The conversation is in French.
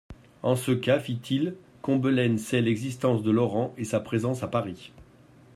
En ce cas, fit-il, Combelaine sait l'existence de Laurent et sa présence à Paris.